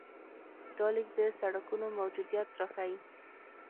دا لیک د سړکونو موجودیت راښيي.